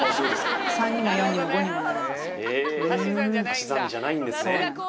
足し算じゃないんですね。